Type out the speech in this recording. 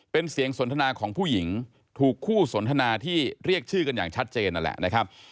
เป็นเสียงสนทนาของผู้หญิงถูกคู่สนทนาที่เรียกชื่อกันอย่างชัดเจนนั่นแหละนะครับ